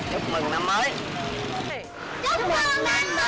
chúc mừng năm mới